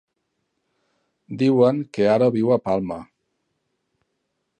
Diuen que ara viu a Palma.